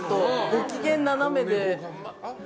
ご機嫌ななめで。